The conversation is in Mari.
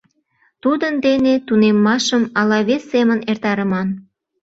— Тудын дене тунеммашым ала вес семын эртарыман?